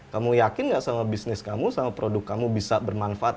kamu yakin gak sama bisnis kamu sama produk kamu bisa bermanfaat